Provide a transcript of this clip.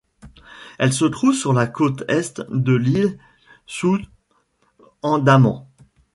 Elle se trouve sur la côte est de l'île South Andaman.